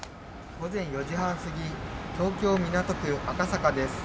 午前４時半すぎ、東京・港区赤坂です。